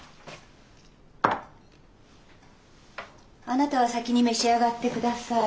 あなたは先に召し上がってください。